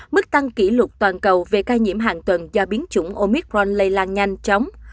mức tăng kỷ lục toàn cầu về ca nhiễm hàng tuần do biến chủng omicron lây lan nhanh chóng